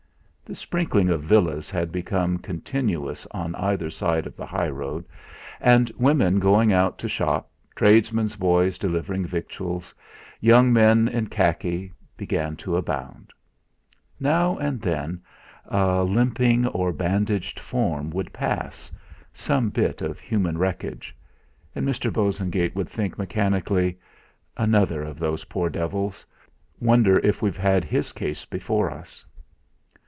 The sprinkling of villas had become continuous on either side of the high road; and women going out to shop, tradesmen's boys delivering victuals, young men in khaki, began to abound. Now and then a limping or bandaged form would pass some bit of human wreckage; and Mr. Bosengate would think mechanically: 'Another of those poor devils! Wonder if we've had his case before us!'